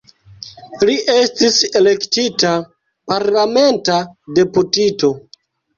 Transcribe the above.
Li estis elektita parlamenta deputito.